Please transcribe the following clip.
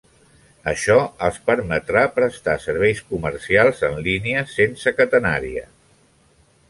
Això els permetrà prestar serveis comercials en línies sense catenària.